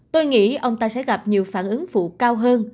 tôi nghĩ ông ta sẽ gặp nhiều phản ứng phụ cao hơn